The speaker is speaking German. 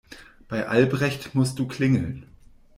Bei Albrecht musst du klingeln.